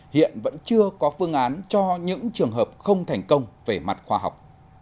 hiện vẫn chưa có phương án cho những trường hợp không thành công về mặt khoa học